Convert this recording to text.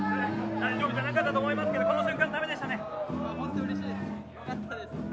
大丈夫じゃなかったと思いますがこの瞬間のためでしたね。